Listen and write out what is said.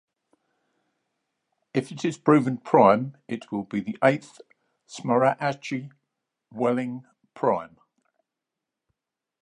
If it is proven prime, it will be the eighth Smarandache-Wellin prime.